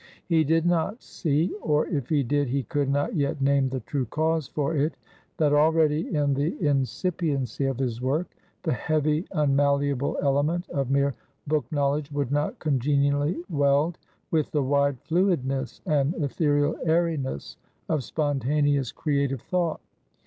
He did not see, or if he did, he could not yet name the true cause for it, that already, in the incipiency of his work, the heavy unmalleable element of mere book knowledge would not congenially weld with the wide fluidness and ethereal airiness of spontaneous creative thought.